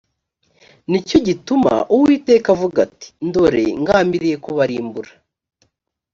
ni cyo gituma uwiteka avuga ati “dore ngambiriye kubarimbura”